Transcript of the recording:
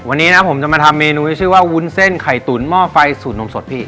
วันนี้นะผมจะมาทำเมนูที่ชื่อว่าวุ้นเส้นไข่ตุ๋นหม้อไฟสูตรนมสดพี่